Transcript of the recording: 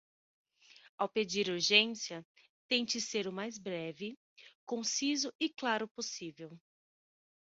Ao pedir urgência, tente ser o mais breve, conciso e claro possível.